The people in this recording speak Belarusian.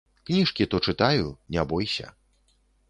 Кніжкі то чытаю, не бойся.